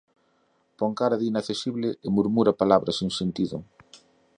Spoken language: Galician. Pon cara de inaccesible e murmura palabras sen sentido.